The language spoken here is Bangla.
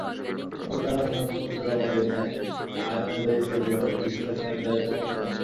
তবে যাঁরা মনোনয়নপত্র জমা দিয়েছেন, আইন অনুযায়ী সেগুলো বিশ্লেষণের দায়িত্ব কমিশনের।